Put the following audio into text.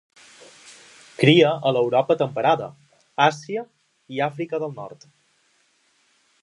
Cria a l'Europa temperada, Àsia i Àfrica del Nord.